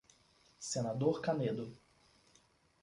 Senador Canedo